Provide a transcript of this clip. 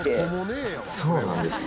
そうなんですか？